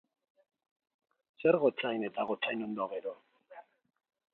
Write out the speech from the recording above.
Zer gotzain eta gotzainondo, gero?